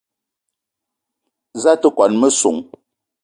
Za a te kwuan a messong?